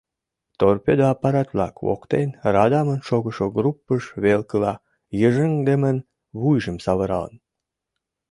Торпеда аппарат-влак воктен радамын шогышо группыж велкыла йыжыҥдымын вуйжым савыралын.